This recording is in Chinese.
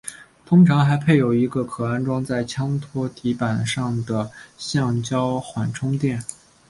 通常还配有一个可安装在枪托底板上的橡胶缓冲垫。